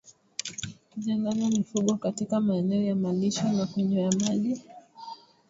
Kuchanganya mifugo katika maeneo ya malisho na kunywea maji